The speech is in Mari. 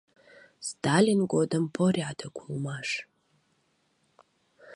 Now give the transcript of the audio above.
Сталин годым порядок улмаш.